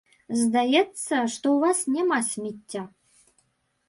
Здаецца, што ў вас няма смецця.